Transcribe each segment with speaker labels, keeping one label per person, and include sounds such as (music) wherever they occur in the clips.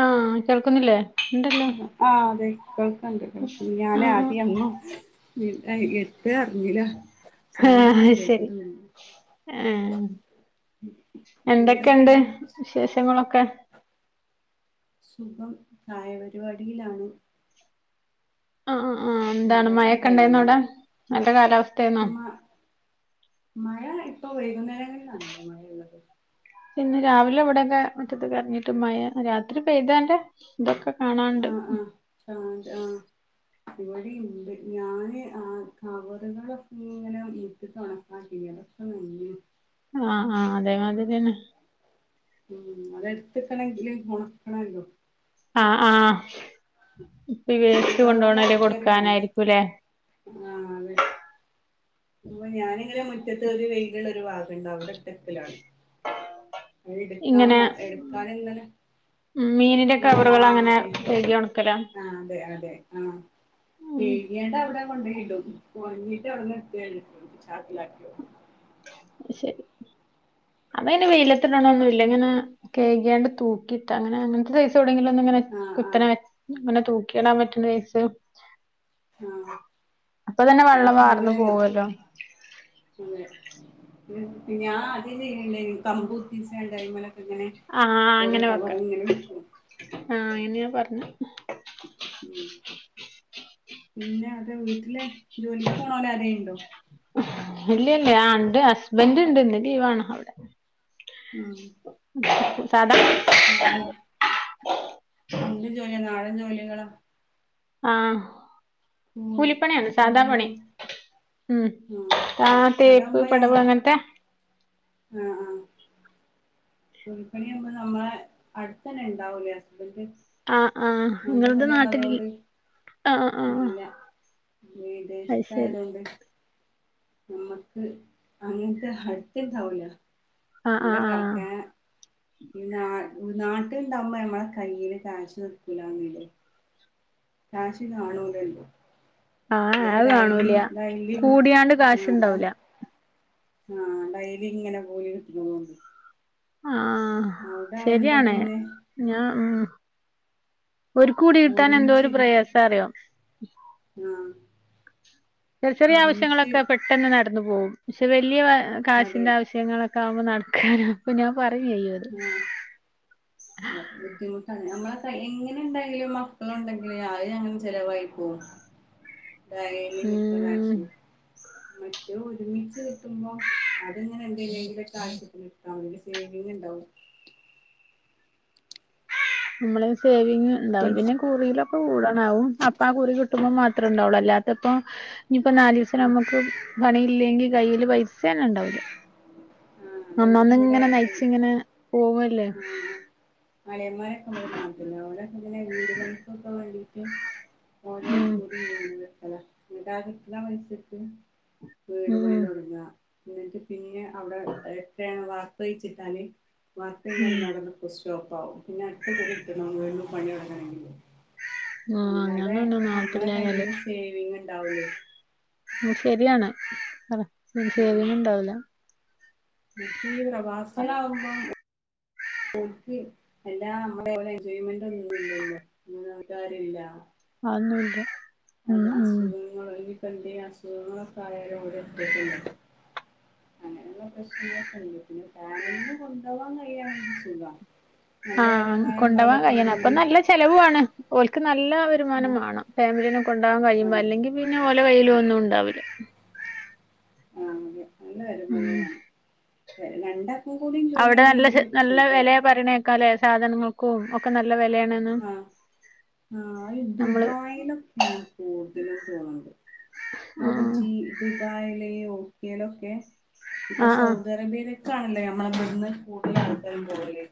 Speaker 1: ആ കേൾക്കുന്നില്ലേ ഉണ്ടല്ലോ
Speaker 2: ആ അതെ കേൾക്ക്ണ്ട് കേ ഞാന്
Speaker 1: ആഹ്
Speaker 2: ആദ്യ ന്നും (unintelligible)
Speaker 1: ഹാ ആഹ് ശരി
Speaker 2: കേട്ടതുല്ല
Speaker 1: ആ എന്തൊക്കെയുണ്ട്
Speaker 2: എന്തൊക്കെണ്ട്
Speaker 1: വിശേഷങ്ങളൊക്കെ
Speaker 2: സുഖം ചായപരിപാടിയിലാണ്
Speaker 1: അ ആ
Speaker 2: ഉണ്ടാക്കി കഴിഞ്ഞു
Speaker 1: നല്ല കാലാവസ്ഥയായിരുന്നോ
Speaker 2: മ മഴ ഇപ്പൊ വര് (unintelligible)
Speaker 1: പിന്നെ രാവിലെ വ്ടൊക്കെ മുറ്റത്ത്ക്ക് എർങ്ങിട്ട് മഴ രാത്രി പെയ്തെന്റെ തൊക്കെ
Speaker 2: ആ ആ ആ ഇവിടിണ്ട് ഞാന് ആ കവറ്കളൊക്കെ ങ്ങനെ മ്റ്റത്തോക്കേ ഒണക്കാട്ടീനി അതൊക്കെ നഞ്ണ്
Speaker 1: ആ ഹാ അതേമാതിരിന്നെ
Speaker 2: ഉം അതെട്ത്ത്ട്ട് ണെങ്കില് ഒണക്കണല്ലോ
Speaker 1: ആ ആ ഈ വേസ്റ്റ്
Speaker 2: കൊണ്ടോവാൻ
Speaker 1: കൊണ്ടോണേല്
Speaker 2: ആൾക്കാരുണ്ട്
Speaker 1: കൊട്ക്കാനായ്രിക്കും ലേ
Speaker 2: ആഹ് അതെ അപ്പൊ ഞാന് ഒരു മുറ്റത്ത് ഒരു വെയില് ഒരു വാ പ്പണ്ട് അവ്ടെ ട്ടെക്കലാണ് എടുക്കാ
Speaker 1: ഇങ്ങനെ
Speaker 2: എടുക്കാന്ങ്ങനെ
Speaker 1: ഉം, മീനിന്റെ
Speaker 2: ഒണ്ങ്ങാൻ
Speaker 1: കവറുകൾ അങ്ങനെ
Speaker 2: വേണ്ടീട്ട്
Speaker 1: കഴുകി ഉണക്കലാ
Speaker 2: ആ അതെ അതെ ആഹ് ഈ
Speaker 1: ഉം
Speaker 2: യെടാ അവ്ടെ ണ്ടയിടും ഒൺങ്ങിട്ട് ൻ ചാക്കിലാക്കു
Speaker 1: ശരി അമ്മ ന്നെ വെയില ത്ത് ടണോന്ന്ല്ല ങ്ങനെ കയ്ക്യാണ്ട് തൂ കിട്ട അങ്ങനെ അങ്ങൻത്തെ സെയ്‌സ് (unintelligible) ല ങ്ങനെ
Speaker 2: ആ ആ
Speaker 1: കുത്തനെ ങ്ങനെ തൂ ക്കെടാ പറ്റ്ണ (unintelligible)
Speaker 2: ആ
Speaker 1: അപ്പൊ തന്നെ വള്ളം
Speaker 2: അതിപ്പോ
Speaker 1: വാർന്ന
Speaker 2: അങ്ങനെയോ
Speaker 1: പോവല്ലോ
Speaker 2: പിന്നെ ഞാ ആദ്യം ചെയ്യ്ണെ ണ്ടയ്ൻ കമ്പുത്തിച്ച് ങ്ങാണ്ട് അയ്മലെ
Speaker 1: ആഹ് ആഹ് അങ്ങനെ വെക്കെ
Speaker 2: വെക്കും
Speaker 1: ആ അയ്ന് പറഞ്ഞു
Speaker 2: ഉ പിന്നെ അത വീട്ടിലെ ജോലി പോണോല അരുണ്ടോ
Speaker 1: ഇല്ലല്ലേ ആണ്ട് ഹസ്ബൻറ് ഉണ്ട്ന്ന് ലീ വണ അവിടെ
Speaker 2: ഉം
Speaker 1: (unintelligible) സട
Speaker 2: എന്ത് ജോലിയ നാടൻ ജോലികോ
Speaker 1: ആഹ കൂലിപ്പണിയാണ് സാദാ പണി
Speaker 2: കൂലിതും
Speaker 1: ഉം ആ തേപ്പ് പടവ് അങ്ങനത്തെ
Speaker 2: ആഹ ആ പുൽപ്പണിയുമ്പോ നമ്മളെ അടുത്ത തന്നെ ഉണ്ടാവൂല്ലേ ഹസ്ബൻന്ഡറ്
Speaker 1: ആഹ് ആഹ്
Speaker 2: അണ്ട
Speaker 1: നിങ്ങളുടെ
Speaker 2: പിന്നെയണ
Speaker 1: നാട്ടിൽ
Speaker 2: അതുകൊണ്ട്
Speaker 1: ആഹ് ആഹ്
Speaker 2: ഇല്ല
Speaker 1: അത്
Speaker 2: വിദേശത്ത ആയത
Speaker 1: ശരി
Speaker 2: കൊണ്ട് നമ്മക്ക് അങ്ങനത്തെ അടുത്തണ്ടാവില്ല
Speaker 1: ആഹ് ആഹ്
Speaker 2: ഇവിടെക്കക്കെ നാ നാട്ടിലുണ്ടാവകുമ്പോ മ്മടെെ കയ്യിയില് കാശ് നിർക്കൂലന്നല്ലേ കാശി കാണൂലല്ലോ
Speaker 1: ആഹ
Speaker 2: ഒരു
Speaker 1: ആത്
Speaker 2: ഡയലി
Speaker 1: കാണൂല
Speaker 2: ഡയലി
Speaker 1: കൂടിയാണ്ട് കാശ ഇണ്ടാവല
Speaker 2: ആഹ ഡൈലി ഇങ്ങനെ പോയി കിട്ടുന്നതൊണ്ട്
Speaker 1: ആ ശരിയണേ
Speaker 2: പിന്നെ
Speaker 1: ഞാ ഉ ഒരു കൂടി കിട്ടാൻ എന്തോ
Speaker 2: ഒരുമിച്ച്
Speaker 1: ഒരു പ്രയാസം അറിയോ ഉ
Speaker 2: ഉം
Speaker 1: ചെർ ചെറിയ ആവശ്യങ്ങളൊക്കെ പെട്ടെന്ന് നട ന്നു പോവും പക്ഷെ വല്യ
Speaker 2: അതെ
Speaker 1: കാശിന്റെ ആവശ്യങ്ങളൊ (unintelligible) നടക്കാനാ പിന്നെം പറഞ്ഞെയ്യും അത്
Speaker 2: ആഹ് ട്ടാ നമ്മളെക്ക എങ്ങനെ എണ്ടായിലും മക്കളൊണ്ടെങ്കില് (unintelligible) (unintelligible) ചിലവായി പോവും
Speaker 1: ഉം
Speaker 2: (unintelligible) ഒരുമിച്ച് കിട്ടുമ്പോ അതെങ്ങനെ എന്തേലു (unintelligible) ആവിശ്യത്തിന് എടുത്തമതിയല്ലോ സേവിങ് എ
Speaker 1: നമ്മള് സേവി ങ്ങ് എണ്ടാവും പിന്നെ കൂടുതലും കൂടണാവും അപ്പാ ആ കുറി കിട്ടുമ്പോം മാത്രമേ ഇണ്ടാവുള്ളൂ അല്ലാത്തപ്പം ഇനിയിപ്പോ നാല് ദിവസം നമുക്ക് പണിയില്ലെങ്കി കയ്യില് പൈസ തന്നെ എണ്ടാവൂല്ല
Speaker 2: ആഹ് അതെന്റെ
Speaker 1: അന്നന്നിങ്ങനെ
Speaker 2: ഇവിടെ
Speaker 1: നയിച്ച് ഇങ്ങനെ പോവുവല്ലേ
Speaker 2: ആഹ് (unintelligible) നാട്ടിലാ ഓരക്കിങ്ങനെ വീട് പണിക്കൊക്കെ വേണ്ടീട്ട് ഓരോ
Speaker 1: ഉം
Speaker 2: കുറി ഇങ്ങനെ വെക്കലാ (unintelligible) മരിച്ചിട്ട് വീട്
Speaker 1: ഉം
Speaker 2: പണി തൊടങ്ങാ എന്നിട്ട് പിന്നാ അവിടെ ഏട്ടൻ വാർപ്പ് കെയ്ച്ച്ട്ടാല് വാർത്ത കഴിഞ്ഞാ
Speaker 1: ഉം
Speaker 2: പിന്നവടെ നിക്കു സ് റ്റോപ്പാവും പിന്നെ അടുത്ത കുറി കിട്ടണം വീണ്ടും പണി തൊടങ്ങണങ്കില്
Speaker 1: ആഹ്
Speaker 2: അല്ലാതെ
Speaker 1: അങ്ങനന്നെ
Speaker 2: നമ്മള
Speaker 1: നാട്ടിലായാല്
Speaker 2: കയ്യില് സേവിങ് ഉണ്ടാവൂലേയ്
Speaker 1: ഉം ശരിയാണ് അതാ ഉം സേവിങ് ഉണ്ടാവൂല
Speaker 2: (unintelligible) പ്രവാസികളാവുമ്പോ ഓൽക്ക് എല്ലാം (unintelligible) എൻജോയ്മെന്റ് ഒന്നും ഇല്ലല്ലോ (unintelligible)
Speaker 1: അതൊന്നൂല്ല്യ
Speaker 2: ഓരോ അസുഖങ്ങളോ ഇനി ഇപ്പന്തേം അസുഖങ്ങളൊക്കെ ആയാലും ഓര് ഒറ്റക്കല്ലേ അങ്ങനെയുള്ള പ്രശ്നങ്ങളൊക്കെ ഇണ്ട്. പിന്നെ ഫാമിലീനെ കൊണ്ട് വാൻ കഴിയാണെങ്കി സുഖാ
Speaker 1: ആ
Speaker 2: നല്ല വരുമാനം
Speaker 1: കൊണ്ടോവാൻ
Speaker 2: ഉള്ളോലൊക്കെ
Speaker 1: കഴിയണം അപ്പൊ
Speaker 2: ഉണ്ടെങ്കില്
Speaker 1: നല്ല ചെലവും ആണ് ഓല് നല്ല
Speaker 2: ആ
Speaker 1: വരുമാനം വാണം ഫാമിലിനെ കൊണ്ടോവാൻ കഴിയുമ്പോ
Speaker 2: അതെ
Speaker 1: അല്ലെങ്കി പിന്നെ ഓൽ ന്റെ കയ്യിലും ഒന്നും ഉണ്ടാവൂല്ല
Speaker 2: ആ അതെ നല്ല വരുമാനം വാണം രെ രണ്ടാക്കും കൂടി
Speaker 1: അവിടെ നല്ല ചെ
Speaker 2: ജോലിണ്ടെങ്കില്
Speaker 1: നല്ല
Speaker 2: സുഖാ
Speaker 1: വെലയാ പറയണേക്കാലേ സാധനങ്ങൾക്കും ഒക്കെ ന
Speaker 2: ആ ആ ഈ
Speaker 1: നമ്മള്
Speaker 2: ദുബായിലൊക്കെയാ കൂടുതലും തോന്നണത് അവിടെ
Speaker 1: ആഹ്
Speaker 2: ജീ ദുബായിലെയോ യേലൊക്കെ ഇപ്പ
Speaker 1: ആഹ്
Speaker 2: സൗദി
Speaker 1: ആഹ്
Speaker 2: അറേബ്യയിലെ ക്കാണല്ലേ നമ്മളെ ഇവിട്ന്ന് കൂടുതൽ ആൾക്കാരും പോകല്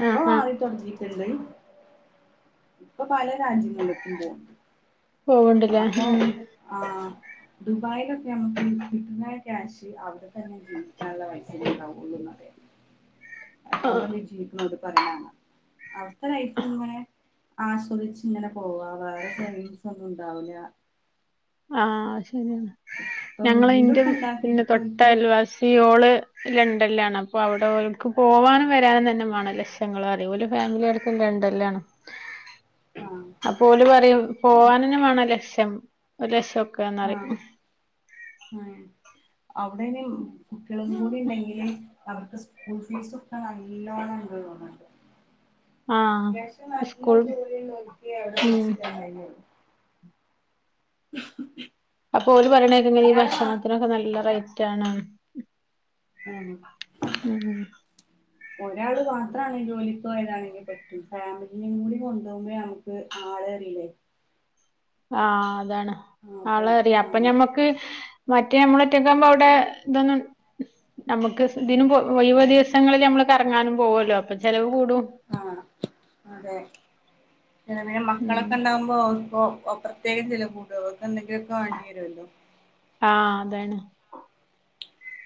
Speaker 2: ഇപ്പൊ
Speaker 1: ആഹ് ആഹ്
Speaker 2: (unintelligible) എന്തായി ഇപ്പൊ പല രാജ്യങ്ങൾക്കും പോകും
Speaker 1: പോവ്ണ്ട്ല്ലേ
Speaker 2: അപ്പൊ
Speaker 1: ഉം
Speaker 2: ആ ദുബായിലൊക്കെ ഞമക്ക് കിട്ടുന്ന ക്യാഷ് അവിടെത തന്നെ ജീവിക്കാനുള്ള വയസൽ ഉണ്ടാവുള്ള ന്നറി അവവിടെ എന്തെങ്കും ജീവിക്കുന്നട് പറിണാണ് ആ ഒരു ഐസ് ങ്ങനെ ആസ്വദിച്ച ഇങ്ങനെ പോവാ വേറെ ചൈംസ് ഒന്നും ഇണ്ടാവില്ല
Speaker 1: ആ (inaudible) ഞങ്ങള ഇന്റെ
Speaker 2: വീടൊക്കെ
Speaker 1: ടിന്റെ
Speaker 2: ഉണ്ടാക്കിട്ട്
Speaker 1: തൊട്ട
Speaker 2: ഓൽക്ക്
Speaker 1: അൽവാസി ഓള് ലണ്ടനിലാണ് അപ്പൊ അവിടെക്ക് പോവാനും വരാനും തന്നെ വേണം ലക്ഷങ്ങളും അറിയല ഫാമിലി അടുത്ത ലണ്ടനിലാണ്
Speaker 2: ആ
Speaker 1: അ ഓല് പറിം
Speaker 2: ഓലെ
Speaker 1: പോവാനന്നെ വാണം ലക്ഷ്യം ഒര് ലാസ്സം ക്കന്നറ
Speaker 2: ആ അവിടനും കുട്ടികളും കൂടി ഉണ്ടെങ്കിലും അവർക്ക് സ്കൂൾ ഫീസ് ഒക്കെ എല്ലോണം ണ്ടോ നോക്കട്ടെ
Speaker 1: ആഹ്
Speaker 2: അത്യാവശ്യം നല്ല
Speaker 1: സ്കൂൾ
Speaker 2: ജോലി നോക്കിയ
Speaker 1: ഉം
Speaker 2: (unintelligible) (inaudible)
Speaker 1: അപ്പൊ ഒര് പറയണേക്കെങ്ങനെ ഈ
Speaker 2: ഒരാള് മാ
Speaker 1: ഭക്ഷണത്തിനൊക്കെ നല്ല റ്റ ണ
Speaker 2: ആഹ്
Speaker 1: ഉ
Speaker 2: ഒരാള് മാത്രണങ്ക ജോലി പോയതാണെങ്കിൽ പറ്റും ഫാമിലിയും കൂടി കൊണ്ടുപോകുമ്പോ നമുക്ക് ആള അറില്ലേ
Speaker 1: ആഹ അ അതാണ് ആളെ അപ്പൊ
Speaker 2: ആഹ്
Speaker 1: ഞമ്മക്ക് മറ്റേ നമ്മള ഒറ്റക്കുമ്പോ അവിടെ ഇതൊന്നും നമുക്ക് ഇതിനും പൊ ഒഴിവു ദി സങ്ങളില് നമ്മള് കറങ്ങാനും പോവല്ലോ അപ്പൊ ചെലവ് കൂടൂ
Speaker 2: ആഹ് അതെ പിന്നെ മക്കളൊക്കെ ഇണ്ടാവുമ്പോ അപ്പൊ പ്രത്യേകം ചിലവ് കൂടാവു എന്നന്തൊക്കെയൊക്ക വാണ്ടി വരുഅല്ലോ
Speaker 1: ആതാണ്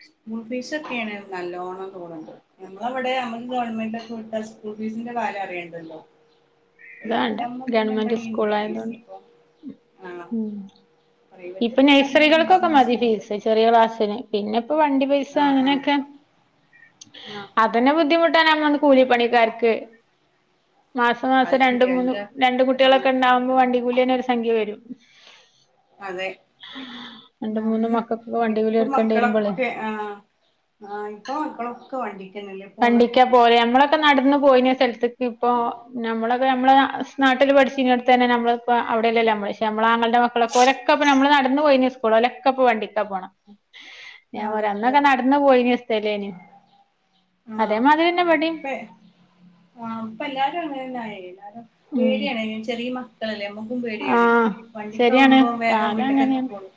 Speaker 2: സ്കൂൾ ഫീസ ഒക്കെയാണ് നല്ലോണം കൂടണ്ട്. നമ്മളവിടെ നമ്മള് ഗവൺമെന്റ് ഒക്കെ വിട്ടാ സ്കൂൾ ഫീസിന്റെ കാര്യം അറിയേണ്ടല്ലോ
Speaker 1: അതവാണ്ട ഗവൺമെന്റ് സ്കൂൾ ആയതു
Speaker 2: ഫീസ്
Speaker 1: കൊണ്ട്
Speaker 2: ഇപ്പൊ ആഹ്
Speaker 1: ഉം
Speaker 2: പ്രൈവറ്റ്
Speaker 1: ഇപ്പൊ
Speaker 2: ഇപ്പ നല്ല
Speaker 1: നഴ്‌സറികൾക്കൊക്കെ
Speaker 2: ബിസിനസ്
Speaker 1: മതി
Speaker 2: മോഡൽ
Speaker 1: ഫീസ് ചെറിയ ക്ലാസ്സിന് പിന്നെ ഇപ്പൊ വണ്ടി പൈസ
Speaker 2: ആഹ്
Speaker 1: അങ്ങനെയൊക്കെ
Speaker 2: ആഹ്
Speaker 1: അതന്നെ ബുദ്ധിമു ട്ടാണെന്ന് കൂലിപ്പണിക്കാർക്ക് മാസംമാസം
Speaker 2: അത് ശരിയാ
Speaker 1: രണ്ട്മൂന്ന്
Speaker 2: എന്റെ
Speaker 1: രണ്ട്
Speaker 2: ആഹ്
Speaker 1: കുട്ടികളൊക്കെ ഉണ്ടാവുമ്പോ വണ്ടി ലിയന്നെ ഒരു സംഖ്യ വരും
Speaker 2: അതെ
Speaker 1: രണ്ട്
Speaker 2: ന്ന
Speaker 1: മൂന്ന്
Speaker 2: ന്ന്
Speaker 1: മക്കൾക്കൊക്കെ വണ്ടിക്കൂലി
Speaker 2: ഇപ്പ
Speaker 1: കൊടുക്കേണ്ടി വരുമ്പോളേ
Speaker 2: മക്കളൊക്കെ ആ ഹാ ഇപ്പോ മക്കളൊക്കെ വണ്ടിക്
Speaker 1: വണ്ടിക്കാ പോയെ അമ്മളൊക്കെ നടന്ന് പോയിന സ്ഥലത്ത്ക്ക് ഇപ്പോ നമ്മള പ്പ നമ്മള് നാട്ടില് പഠിച്ചിനോടുത്ത് തന്നെ നമ്മളപ്പോ അവിടെയല്ലല്ലോ നമ്മള് ശേ നമ്മ്ളാ ന്റെ മക്കളൊക്ക ഒരൊക്കെപ്പ നമ്മള് നട ന്ന് പോയിന് സ്കൂൾല് ഓലൊക്കെപ്പോ വണ്ടിക്ക പോണെ. ഞാൻ പറ
Speaker 2: ആഹ് അതെ
Speaker 1: അന്നൊക്കെ നടന്ന് പോയിന് ഇഷ്ട്ടായില്ലായ്ന്.
Speaker 2: ആഹാ ഇപ്പെ ഇപ്പെല്ലാരും അങ്ങനെന്നായി ല്ലാരും
Speaker 1: ഉം
Speaker 2: പേടിയാണ് ചെറിയമ്മക് (unintelligible) നമുക്കും പേടിയാണ്
Speaker 1: ആഹ് ശരിയാണ്
Speaker 2: വണ്ടികാവുമ്പം വേഗം
Speaker 1: കാലം അങ്ങനെയാണ്
Speaker 2: വീട്ടിക്കെത്തിക്കോളും.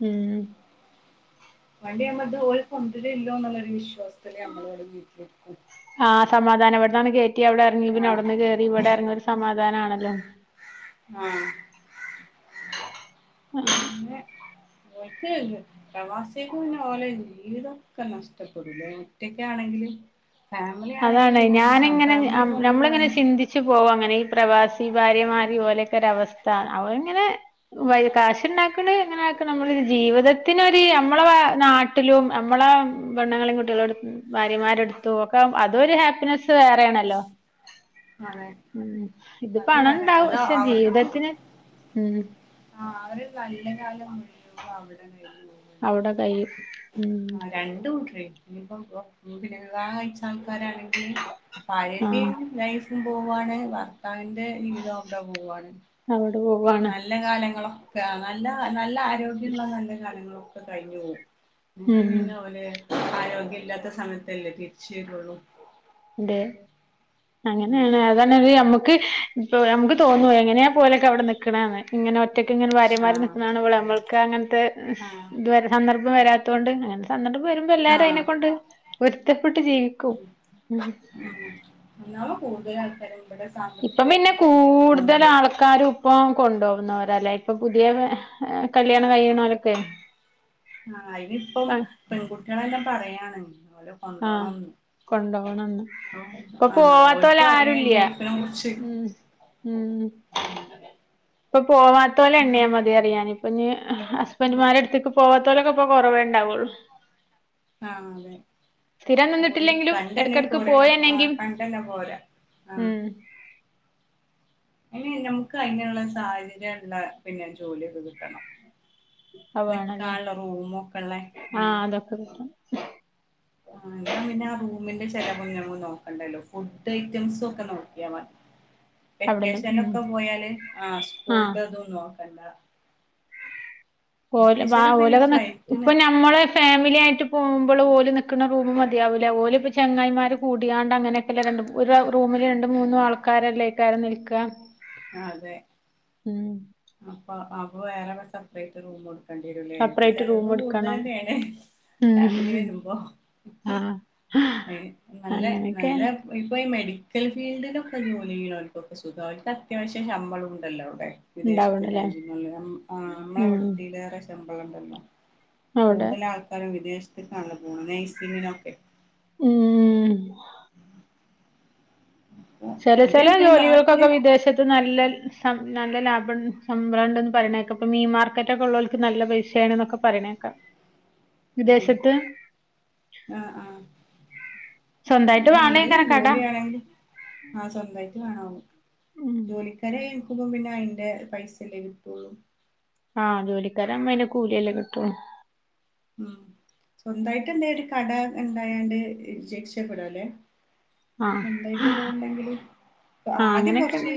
Speaker 1: ഉം
Speaker 2: വണ്ടി ആവുമ്മത് ഓല് കൊണ്ടരല്ലോ എന്നൊരു വിശ്വാസം (unintelligible)
Speaker 1: സമാദാനപ്പെടുന്നാണ് ഗേ റ്റ് അവിടെറങ്ങി പിന്നെ അവിടുന്ന് കേറി ഇവിടെ ഇറങ്ങി ഒരു സമാധാനണല്ലോ.
Speaker 2: ആ പിന്നെ (unintelligible) പ്രവാസിയക്ക് പിന്നെ ഓലെ ജീവിതൊക്കെ നഷ്ടപ്പെടൂല്ലേ ഒറ്റക്കാണെങ്കില്.
Speaker 1: അതാണ് ഞാനിങ്ങനെ ഞ
Speaker 2: കൊണ്ടു
Speaker 1: നമ്മള്ങ്ങനെ
Speaker 2: പോയാൽ
Speaker 1: ചിന്തിച്ചു പോവാ അങ്ങനെ പ്രവാസി ഭാര്യമാര് പോലെയൊക്കെയൊരാവസ്ഥ അവരിങ്ങനെ കാശ് ഉണ്ടാക്കണെ എങ്ങനാക്കണേ നമ്മള ജീവിതത്തിനൊര് നമ്മള നാട്ടിലും നമ്മള വെണ്ണുങ്ങളും കുട്ടിളും എടു ഭാര്യമാരെടുത്തും ഓ പ്പം അതൊരു ഹാപ്പിനെസ്സ് വേറെ ആണല്ലോ.
Speaker 2: അതെ
Speaker 1: ഇത്
Speaker 2: അത് അറിയ
Speaker 1: പണണ്ടാവും
Speaker 2: അത്
Speaker 1: പശേ
Speaker 2: അവർക്ക്
Speaker 1: ജീവിതത്തിന്
Speaker 2: ആ അവര് നല്ല കാലം മുഴുവ അവിടന്നാരിക്കും.
Speaker 1: അവിടെകൈയ്യും ഉം
Speaker 2: (inaudible) (inaudible)
Speaker 1: ആ
Speaker 2: മ്പോവാണ് വാ ത്താവിന്റെ ജീവിതൊക്കെ പോവുവാണ്.
Speaker 1: അവിടെ പോവാണ്
Speaker 2: നല്ല കാലങ്ങളോ? (unintelligible) നല്ല നല് ല്ല ആരോഗ്യള്ള നല്ല കറികളും (unintelligible) കഴിഞ്ഞുപോവും. എന്നിട്ട്
Speaker 1: ഉം
Speaker 2: പിന്നെ പോലെ ആരോഗ്യം ഇല്ലാത്ത സമയത്തല്ലേ വീൽച്ചയരുള്ളൂ
Speaker 1: ണ്ട് അങ്ങനെയാണ് അതാണ് നമ്മുക്ക് ഇപ്പോ നമുക്ക് തോന്നുവ ഇങ്ങനെയാ പോലൊക്കെ അവിടെ നിക്കണേ ഇങ്ങനെ ഒറ്റക്കെ ഇങ്ങനെ ഭാര്യമാര്
Speaker 2: ആഹ്
Speaker 1: നിക്കണ കാണുമ്പളെ നമ്മൾക്ക് അങ്ങനത്തെ
Speaker 2: ആഹ്
Speaker 1: ഇവ സന്ദർഭം വരാെ അണ്ട്ണ്ട് വരുമ്പോ എല്ലാരും
Speaker 2: ആഹ്
Speaker 1: അതിനെക്കൊണ്ട് വര്ത്ത് ട്ട് ജീവിക്കും ഉം
Speaker 2: ഉ പിള പോ അാണ് (unintelligible)
Speaker 1: ഇപ്പം പിന്നെ കൂടുതൽ ആൾക്കാരും ഇപ്പം കൊണ്ടപോവുന്നവരല്ലേ ഇപ്പൊ പുതിയ കല്യാണം
Speaker 2: ആഹ
Speaker 1: കഴിയണോലൊക്കെ
Speaker 2: ആ അനിപ്പം പെൺകുട്ടികളെല്ലാം പറയണലോ
Speaker 1: ആഹ കൊണ്ടുപോകണംന്ന് ഇപ്പൊ
Speaker 2: ആഹ്
Speaker 1: പോവാത്ത പോലെ
Speaker 2: ഓൽക്കും അറിയാ ഈ
Speaker 1: ആരുല്ല
Speaker 2: ലൈഫിനെ കുറിച്ച്
Speaker 1: ഉ ഉ
Speaker 2: ഉം
Speaker 1: അ പോവാത്ത പോലെ
Speaker 2: അപ്പം
Speaker 1: എണ്ണിയാ മതി അറിയാൻ ഇപ്പൊ ഇ ഹസ്ബൻഡറ്മാരെടുത്തേക്ക് പോവാ അത്തലൊക്കെ ഇപ്പൊ കുറവേ ഉണ്ടാവുള്ളൂ
Speaker 2: ആ അതെ പോയി
Speaker 1: നിന്നിട്ടില്ലെങ്കിലും
Speaker 2: കണ്ടന്നെ
Speaker 1: എടക്കെടക്ക്
Speaker 2: പോരല്ലോ ആ
Speaker 1: പോയന്നെങ്കി
Speaker 2: കണ്ടന്നെ പോരാ ആ
Speaker 1: ഉം
Speaker 2: ഇനെ നമുക്ക് അങ്ങെയുള്ള സാഹചര്യം ള്ള പിന്നെ ജോലിയൊക്കെ കിട്ടണം
Speaker 1: അ വേണല്ലേ
Speaker 2: നിക്കാള്ള റൂമൊക്കെള്ളെ
Speaker 1: ആ അതൊക്കെ കട്ടണം
Speaker 2: ആ എന്നാ പിന്നെ ആ റൂമിന്റെ ചെലവും ങ്ങൾ നോക്കണ്ടല്ലോ ഫുഡ് ഐറ്റംസും ഒക്കെ നോക്കിയാൽ മതി
Speaker 1: അവിട്ന്ന്
Speaker 2: വെക്കേഷൻ
Speaker 1: ഉം
Speaker 2: ഒക്കെ പോയാല് ആ
Speaker 1: ആഹ്
Speaker 2: സ്കൂളിന്റെ ത്നോ അല്ല
Speaker 1: ഓല്
Speaker 2: ഞാൻ
Speaker 1: ഓലക
Speaker 2: ഫ്ലൈറ്റിന്
Speaker 1: ഇപ്പൊ നമ്മള ഫാമിലി ആയിട്ട് പോകുമ്പോൾ പോലും നിക്കുന്ന റൂമ് മതിയാവൂല പോലും ചെങ്ങായിമാര് കൂടിയാണ്ട് അങ്ങനെയൊക്കെല്ല രണ്ട് ഒരു റൂമില് രണ്ട് മൂന്നും ആൾക്കാരല്ലേ ആരെ നിൽക്ക
Speaker 2: അതെ ആ അപ്പോ അവ വേറെ (unintelligible) സപറേറ്റ് റുമ് കണ്ടിരലേ ഇപ്പൊ
Speaker 1: സെപ്പറേറ്റ്
Speaker 2: ചിലത്
Speaker 1: റൂം എടുക്കണം
Speaker 2: കൂടുതലന്നാണ്
Speaker 1: ഉം
Speaker 2: ഫാമിലി വരുമ്പോ
Speaker 1: ആഹ്
Speaker 2: നല്ല
Speaker 1: അങ്ങനെയൊക്കെ
Speaker 2: നല്ല ഇപ്പൊ മെഡി മെഡിക്കൽ ഫീൽഡിലൊക്കെ ജോലി ചെയ്യുന്നവർക്കൊക്കെ സുഖമായി അവർക്ക് അത്യാവശ്യം ശമ്പളം ഉണ്ടല്ലോ അവിടെ വിദേശത്ത്
Speaker 1: ഉണ്ടാവണല്ലേ
Speaker 2: രാജ്യങ്ങളിൽ നമ്മള
Speaker 1: ഉം
Speaker 2: അവിടെ റെ ശമ്പളംണ്ടല്ലോ
Speaker 1: അവിടെ
Speaker 2: കൂടുതലും ആൾക്കാരും വിദേശ കാണ ഗുൾ നയ്സ് ഇങ്ങനൊക്കെ
Speaker 1: ഉം
Speaker 2: അപ്പൊ
Speaker 1: ചില
Speaker 2: ഓര്
Speaker 1: ചില
Speaker 2: കളിക്കണ നാട്ടില്
Speaker 1: ജോലികൾക്കൊക്കെ വിദേശത്ത് നല്ല നല്ല ലാഭം സംഭം ഉണ്ടന്ന് പറയണേക്കാം ഇപ്പം ഈ മാർക്കറ്റ ഒക്കെ ഉള്ളവർക്ക് നല്ല പൈസ ആണന്ന്ക്കെ പറയണേക്കാം
Speaker 2: ആഹ്
Speaker 1: വിദേശത്ത്
Speaker 2: ആഹ്
Speaker 1: സ്വന്തായിട്ട്
Speaker 2: ഒന്ന് ഏത്
Speaker 1: വാണേക്കാരം കട
Speaker 2: ജോലിയാണെങ്കിൽ ആ സ്വന്തമായിട്ട് അ വേണോ
Speaker 1: ഉം
Speaker 2: ജോലിക്കാരെ നക്കുമ്പോ പിന്നെ അയിൻ്റഞ പൈസല്ലേ കിട്ടുള്ളൂ
Speaker 1: ആഹ് ജോലിക്കാര അമ്മനേ കൂലിയല്ലേ കിട്ടും
Speaker 2: ഉം സ്വന്തായിട്ട് എന്ത ഒരു കട ഉണ്ടായാണ്ട് രക്ഷപ്പെടല്ലെ
Speaker 1: ആഹ്
Speaker 2: സ്വന്തായിട്ട് (unintelligible) ഇണ്ടെങ്കില്
Speaker 1: ആഹ്
Speaker 2: ആദ്യം കൊർച്ച്
Speaker 1: അങ്ങനെയൊക്കെയാണ്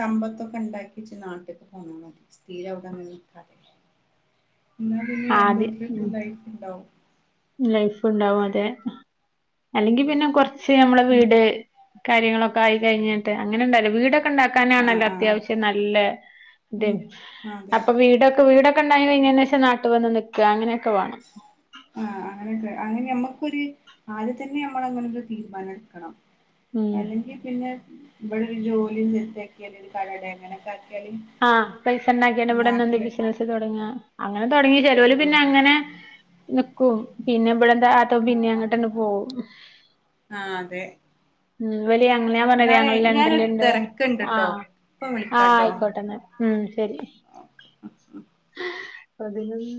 Speaker 2: സമ്പത്തൊക്കെ ഉണ്ടാക്കിച്ച് നാട്ടിക്ക് പോന്നാ മതി സ്ഥിര അവ്ടെങ്ങനെ നിക്കാതെ ഇന്നാ പിന്നെ
Speaker 1: ആദ്യം
Speaker 2: രണ്ടൂട്ടർക്കും
Speaker 1: ഉം
Speaker 2: ലൈഫ് ഇണ്ടാവും
Speaker 1: ലൈഫ് ഇണ്ടാവും അതെ അല്ലെങ്കി പിന്നെ കൊർച്ച് നമ്മളെ
Speaker 2: ഉം
Speaker 1: വീട് കാര്യങ്ങളൊക്കായി കഴിഞ്ഞിട്ട് അങ്ങനെ ഇണ്ടല്ലോ വീട
Speaker 2: ആഹ്
Speaker 1: ണ്ടാക്കാനാണല്ലോ
Speaker 2: ആഹ്
Speaker 1: അത്യാവശ്യം നല്ല ത്
Speaker 2: ഉം അതെ
Speaker 1: അപ്പൊ വീടൊക്കെ വീടൊ ണ്ടായി കയിഞ്ഞേനേശം നാട്ട് വന്ന് നിക്ക അങ്ങനെ ക്കെ വേണം
Speaker 2: അങ്ങന അങ്ങനെ ഞമ്മക്കൊരു ആദ്യം തന്നെ നമ്മൾ അങ്ങനൊരു തീരുമാനം എട്ക്കണം
Speaker 1: ഉം
Speaker 2: അല്ലെങ്കിൽ പിന്നെ ഇവിടെ ഒരു ജോലിയും സെറ്റാക്കി അല്ലെ ഒരു കടടേ അങ്ങനൊക്കെ ആക്കി
Speaker 1: ആഹ് പൈസ ഇണ്ടാക്കിയാണ്ട് ഇവടെന്നെ
Speaker 2: നാട്ടില്
Speaker 1: ബിസിനസ് തൊട്ങ്ങാ അത് തൊട്ങ്ങി ചെലോ ല്
Speaker 2: ആഹ്
Speaker 1: പിന്നങ്ങനെ നിക്കും പിന്നെ ഇബ്ടെ എന്തും ആവാത്ത പ്പം
Speaker 2: ആഹ്
Speaker 1: പിന്നിം
Speaker 2: ആഹ്
Speaker 1: അങ്ങോട്ട്ന്നെ പോകും
Speaker 2: ആഹ് അതെ
Speaker 1: ഉം ഇവല് ഞങ്ങ ഞാൻ പറഞ്ഞിലേ
Speaker 2: എന്നാലേ
Speaker 1: ഞങ്ങൾ
Speaker 2: ഞാനൊരു
Speaker 1: ലണ്ടൻല്ണ്ട് ന്ന് ആ
Speaker 2: തെരക്ക്ണ്ട്ട്ടോ ഇപ്പൊ
Speaker 1: ആഹ്
Speaker 2: വിളിക്കാട്ടോ
Speaker 1: ആയിക്കോട്ടെ തന്നെ ഉം ശരി
Speaker 2: ഓക്കെ
Speaker 1: ഹ്‌ പതിനൊന്നു